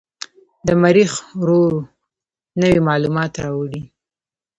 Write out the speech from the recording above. د مریخ روور نوې معلومات راوړي.